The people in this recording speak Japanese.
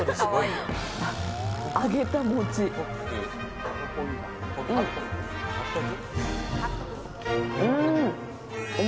揚げた餅。